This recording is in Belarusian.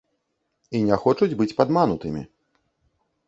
І не хочуць быць падманутымі.